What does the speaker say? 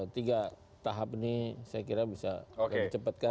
tiga tahap ini saya kira bisa di cepatkan